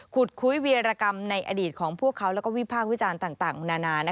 ขุดคุ้ยเวียรกรรมในอดีตของพวกเขาและวิภาควิจารณ์ต่างนานา